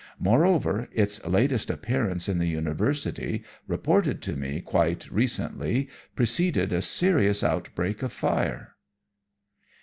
"Moreover, its latest appearance in the University, reported to me quite recently, preceded a serious outbreak of fire."